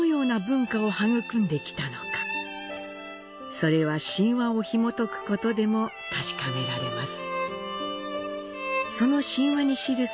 それは神話をひもとくことでも確かめられます。